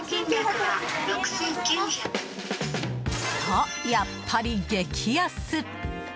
と、やっぱり激安！